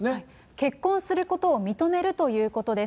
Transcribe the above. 結婚することを認めるということです。